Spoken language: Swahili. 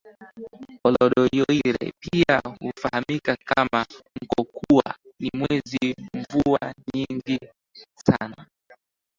Olodoyiorie Pia hufahamika kama Nkokua ni mwezi mvua nyingi sana